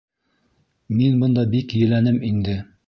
Мин бында бик еләнем инде.